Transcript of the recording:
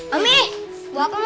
ami buah kamu ami